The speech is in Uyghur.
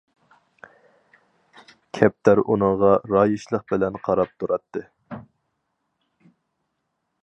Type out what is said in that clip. كەپتەر ئۇنىڭغا رايىشلىق بىلەن قاراپ تۇراتتى.